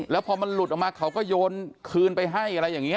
แล้วพอมันหลุดออกมาเขาก็โยนคืนไปให้อะไรอย่างนี้